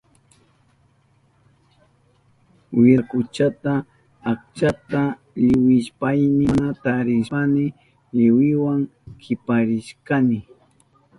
Wirakuchata achkata liwishpayni mana tarishpayni liwiwa kiparishkani.